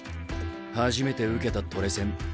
初めて受けたトレセン。